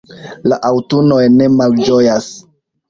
la aŭtunoj ne malĝojas